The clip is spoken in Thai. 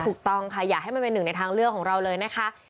ถูกต้องค่ะอยากให้มันเป็นหนึ่งในทางเลือกของเราเลยนะคะ